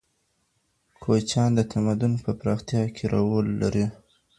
کوچیان د تمدن په پراختیا کې رول لري.